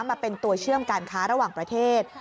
มาเป็นตัวเชื่อมการค้าระหว่างประเทศ